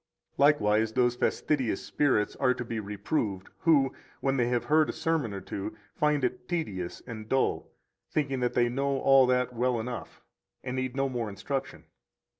99 Likewise those fastidious spirits are to be reproved who, when they have heard a sermon or two, find it tedious and dull, thinking that they know all that well enough, and need no more instruction.